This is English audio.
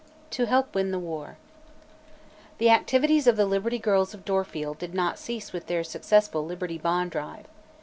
TO HELP WIN THE WAR The activities of the Liberty Girls of Dorfield did not cease with their successful Liberty Bond "drive."